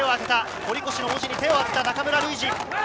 「堀越」の文字に手を当てた中村ルイジ。